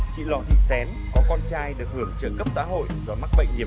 chị lò thi xén có con trai được hưởng trợ cấp xã hội do mắc bệnh nhiễm